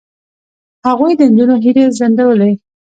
هغوی د نجونو هیلې ځنډولې.